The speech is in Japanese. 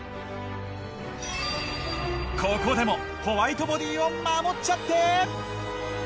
ここでもホワイトボディを守っちゃって！